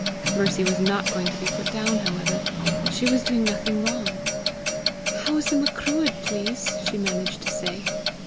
Mercy was not going to be put down, however: she was doing nothing wrong! "How is the Macruadh, please?" she managed to say.